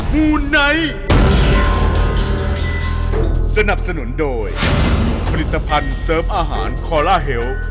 มันเชื่ออย่าลองรู้